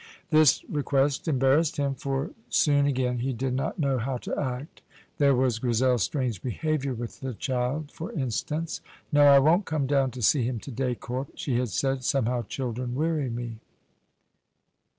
This request embarrassed him, for soon again he did not know how to act. There was Grizel's strange behaviour with the child, for instance. "No, I won't come down to see him to day, Corp," she had said; "somehow children weary me."